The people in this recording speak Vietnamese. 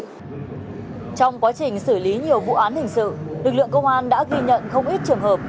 trong quá trình xử lý nhiều vụ án hình sự lực lượng công an đã ghi nhận không ít trường hợp